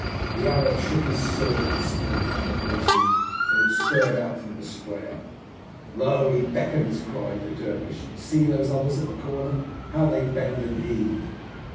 The Arab shook his sword at the small clump of horsemen who had spurred out from the square. "Lo! he beckons," cried the dervish; "and see those others at the corner, how they bend and heave.